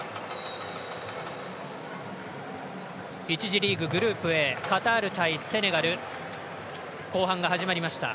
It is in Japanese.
１次リーグ、グループＡカタール対セネガル後半が始まりました。